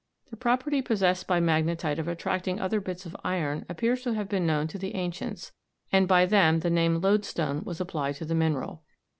The property possessed by magnetite of attracting other bits of iron appears to have been known to the ancients, and by them the name lodestone was applied to the mineral.